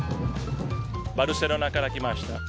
バルセロナから来ました。